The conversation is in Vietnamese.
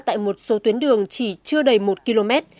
tại một số tuyến đường chỉ chưa đầy một km